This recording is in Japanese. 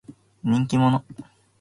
人気者。